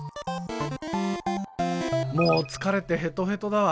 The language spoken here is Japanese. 「もう疲れてヘトヘトだわ。